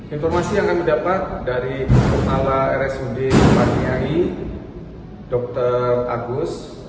informasi yang kami dapat dari kepala rsud paniai dr agus